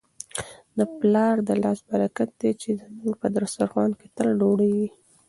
د پلار د لاس برکت دی چي زموږ په دسترخوان کي تل ډوډۍ وي.